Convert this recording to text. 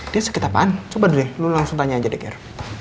dia sakit apaan coba deh lo langsung tanya aja deh gir